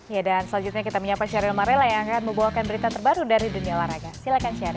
ya dan selanjutnya kita menyapa sheryl marela yang akan membawakan berita terbaru dari dunia olahraga silakan shery